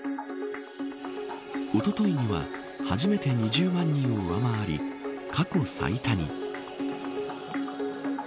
おとといには初めて２０万人を上回り過去最多に。